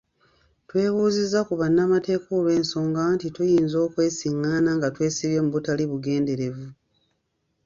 Twebuuzizza ku bannamateeka olw’ensonga nti tuyinza okwesiŋŋaana nga twesibye mu butali bugenderevu.